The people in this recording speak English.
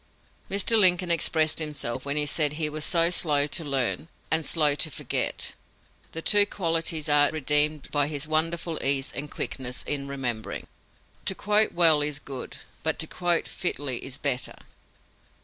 '" Mr. Lincoln expressed himself when he said he was slow to learn and slow to forget; the two qualities are redeemed by his wonderful ease and quickness in remembering. To quote well is good, but to quote fitly is better.